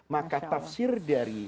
maka tafsir dari